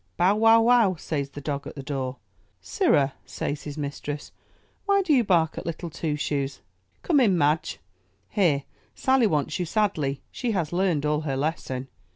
"Bow, wow, wow,'* says the dog at the door. ''Sir rah,*' says his mistress, 'Vhy do you bark at Little Two Shoes? Come in, Madge; here, Sally wants you sadly, she has learned all her lesson.